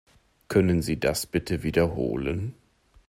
Können Sie das bitte wiederholen?